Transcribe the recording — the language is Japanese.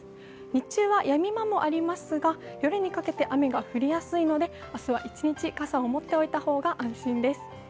日中はやみ間もありますが夜にかけて雨が降りやすいので明日は一日、傘を持っておいた方が安心です。